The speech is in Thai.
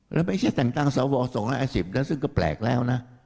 แล้วไม่ใช่แต่งตั้งสว๒๕๐แล้วซึ่งก็แปลกแล้วนะ